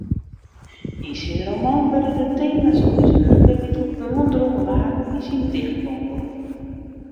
Yn syn roman wurde de tema's útwurke dy't al oandroegen waarden yn syn dichtbondel.